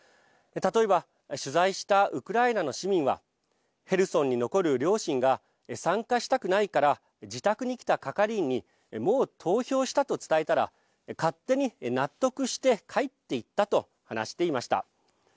例えば取材したウクライナの市民はヘルソンに残る両親が参加したくないから自宅に来た係員にもう投票した、と伝えたら勝手に納得して帰っていったと話していました。